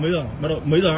mấy giờ mấy giờ